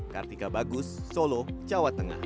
kartika bagus solo jawa tengah